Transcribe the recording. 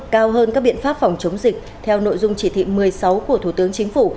cao hơn các biện pháp phòng chống dịch theo nội dung chỉ thị một mươi sáu của thủ tướng chính phủ